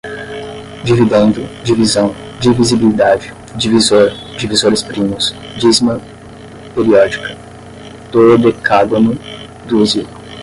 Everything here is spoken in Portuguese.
dividendo, divisão, divisibilidade, divisor, divisores primos, dízima periódica, dodecágono, dúzia